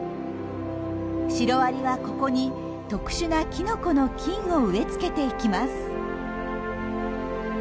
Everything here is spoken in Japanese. シロアリはここに特殊なキノコの菌を植え付けていきます。